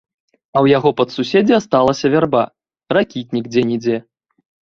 А ў яго падсуседзі асталася вярба, ракітнік дзе-нідзе.